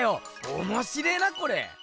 おもしれえなこれ。